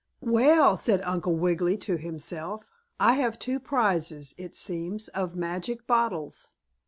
"Well," said Uncle Wiggily to himself, "I have two prizes, it seems, of magic bottles.